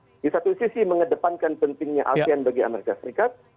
tapi di satu sisi mengedepankan pentingnya asean bagi amerika serikat